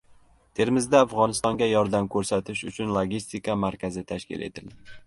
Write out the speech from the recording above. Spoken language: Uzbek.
Termizda Afg‘onistonga yordam ko‘rsatish uchun logistika markazi tashkil etildi